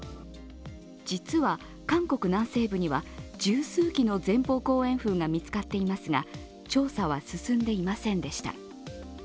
実は、韓国南西部には十数基の前方後円墳が見つかっていますが調査は進んでいませんでした。